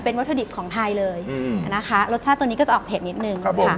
วัตถุดิบของไทยเลยนะคะรสชาติตัวนี้ก็จะออกเผ็ดนิดนึงค่ะ